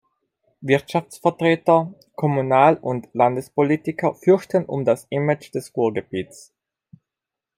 Wirtschaftsvertreter, Kommunal- und Landespolitiker fürchteten um das Image des Ruhrgebiets.